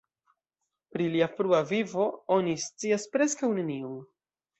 Pri lia frua vivo oni scias preskaŭ nenion.